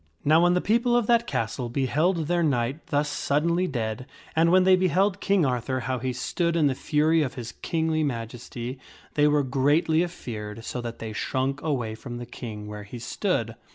/ Now when the people of that castle beheld their knight thus suddenly dead, and when they beheld King Arthur how he stood in the fury of his kingly majesty, they were greatly afeared so that they shrunk away from the King where he stood.